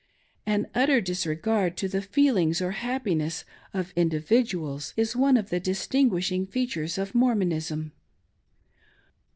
An utter disregard to the feelings or happiness of individ uals is one of the distinguishing features of Mormonism.